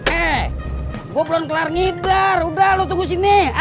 eh gua belum kelar ngidar udah lu tunggu sini